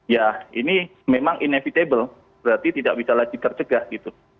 ya ini memang inevitable berarti tidak bisa lagi tercegah gitu